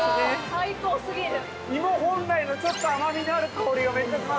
◆最高すぎる。